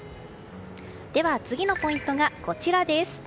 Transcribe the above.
では次のポイントがこちらです。